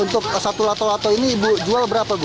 untuk satu lato lato ini ibu jual berapa bu